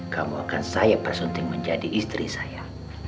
kamu akan saya persunting menjadi istri saya